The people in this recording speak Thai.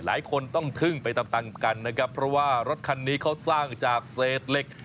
หลายคนต้องทึ่งไปตามตามกันนะครับเพราะว่ารถคันนี้เขาสร้างจากเศษเหล็ก